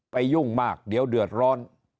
ยุ่งมากเดี๋ยวเดือดร้อน